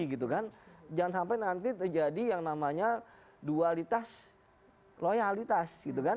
jangan sampai nanti terjadi yang namanya dualitas loyalitas